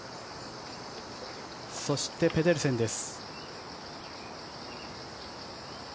そして、ペデルセンです。